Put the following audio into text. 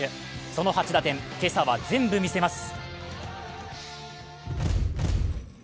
その８打点、今朝は全部見せます。